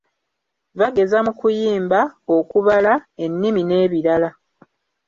Bageza mu kuyimba, okubala, ennimi n'ebirala.